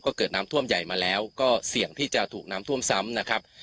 ก็เกิดน้ำท่วมใหญ่มาแล้วก็เสี่ยงที่จะถูกน้ำท่วมซ้ำนะครับ